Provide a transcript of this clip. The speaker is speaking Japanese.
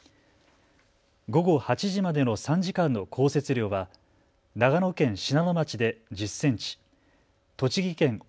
午後８時までの３時間の降雪量は長野県信濃町で１０センチ、栃木県奥